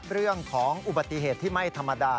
เรื่องของอุบัติเหตุที่ไม่ธรรมดา